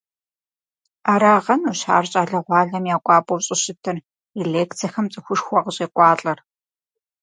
Арагъэнущ ар щӀалэгъуалэм я кӀуапӀэу щӀыщытыр, и лекцэхэм цӀыхушхуэ къыщӀекӀуалӀэр.